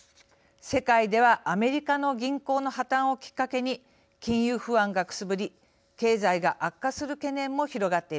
世界ではアメリカの銀行の破綻をきっかけに金融不安がくすぶり経済が悪化する懸念も広がっています。